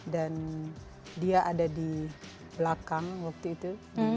dan dia ada di belakang waktu itu